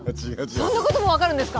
そんなことも分かるんですか？